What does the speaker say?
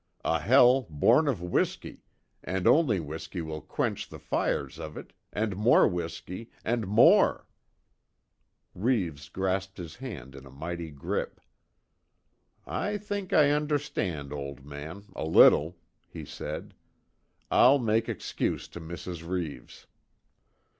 A hell born of whiskey, and only whiskey will quench the fires of it and more whiskey and more " Reeves grasped his hand in a mighty grip: "I think I understand, old man a little," he said. "I'll make excuse to Mrs. Reeves."